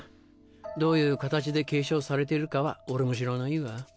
どういう形で継承されているかは俺も知らないが。